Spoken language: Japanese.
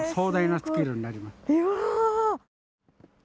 うわ！